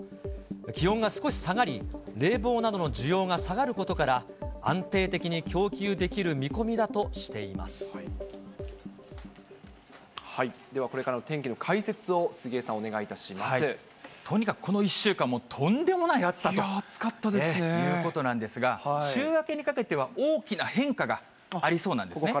気温が少し下がり、冷房などの需要が下がることから、安定的に供給できる見込みだとしではこれからの天気の解説をとにかくこの１週間、暑かったですね。ということなんですが、週明けにかけては、大きな変化がありそうなんですね。